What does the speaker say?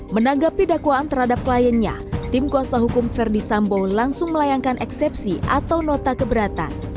menanggapi dakwaan terhadap kliennya tim kuasa hukum verdi sambo langsung melayangkan eksepsi atau nota keberatan